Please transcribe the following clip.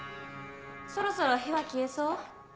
そろそろ火は消えそう？